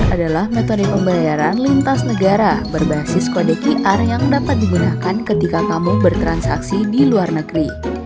dan ini adalah metode pembayaran lintas negara berbasis kode qr yang dapat digunakan ketika kamu bertransaksi di luar negeri